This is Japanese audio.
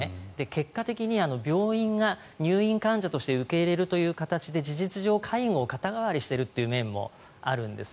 結果的に病院が入院患者として受け入れるという形で事実上、介護を肩代わりしてる面もあるんです。